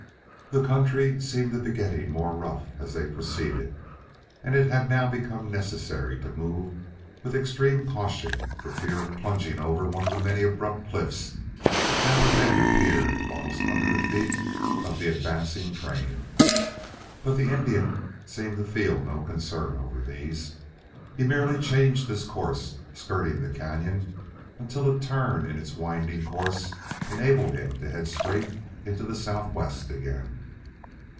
The country seemed to be getting more rough as they proceeded, and it had now become necessary to move with extreme caution for fear of plunging over one of the many abrupt cliffs that now and then appeared almost under the feet of the advancing train. But the Indian seemed to feel no concern over these. He merely changed his course, skirting the canyon until a turn in its winding course enabled him to head straight into the southwest again.